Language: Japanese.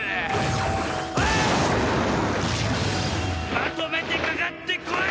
まとめてかかってこい！